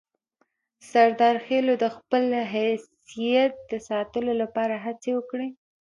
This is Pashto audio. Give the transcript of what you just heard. سردارخېلو د خپل حیثیت د ساتلو لپاره هڅې وکړې.